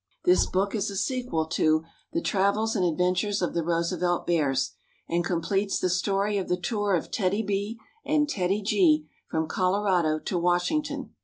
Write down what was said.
This book is a sequel to "The Travels and Adventures of the Roosevelt Bears," and completes the story of the tour of TEDDY B and TEDDY G from Colorado to Washington.